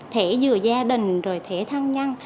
thẻ vừa gia đình rồi thẻ thân nhân